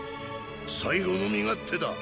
最後の身勝手だ。